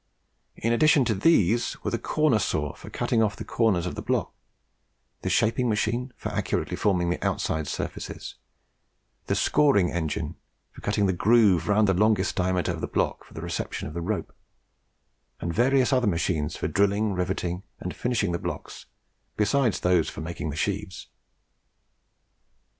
In addition to these were the Corner Saw for cutting off the corners of the block, the Shaping Machine for accurately forming the outside surfaces, the Scoring Engine for cutting the groove round the longest diameter of the block for the reception of the rope, and various other machines for drilling, riveting, and finishing the blocks, besides those for making the sheaves.